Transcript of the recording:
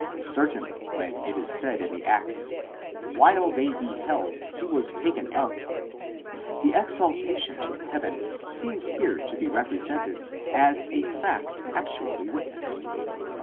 Certainly, when it is said in the Acts: while they beheld, he was taken up, βλεπόντων αὐτῶν ἐπήρθη: the exaltation to heaven seems here to be represented as a fact actually witnessed.